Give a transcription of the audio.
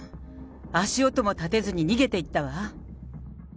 足音も立てずに逃げていったわ。